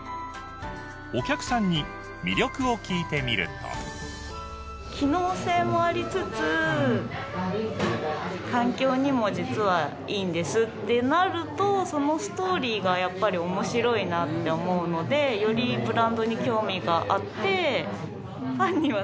お客さんに魅力を聞いてみると機能性もありつつ環境にも実は良いんですってなるとそのストーリーがやっぱり面白いなって思うのでよりブランドに興味があってあぁ